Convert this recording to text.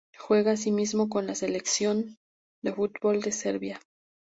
Juega, asimismo, con la selección de fútbol de Serbia.